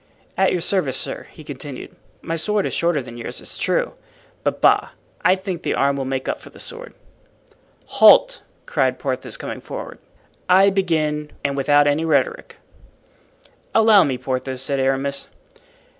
"At your service, sir," he continued. "My sword is shorter than yours, it's true, but, bah! I think the arm will make up for the sword." "Halt!" cried Porthos coming forward. "I begin, and without any rhetoric." "Allow me, Porthos," said Aramis.